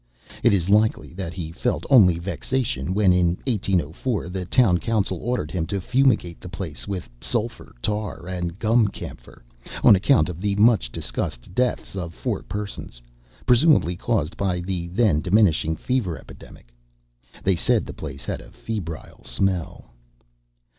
It is likely that he felt only vexation when, in 1804, the town council ordered him to fumigate the place with sulfur, tar, and gum camphor on account of the much discussed deaths of four persons, presumably caused by the then diminishing fever epidemic. They said the place had a febrile smell.